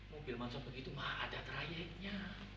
mobil masuk begitu mah ada trayeknya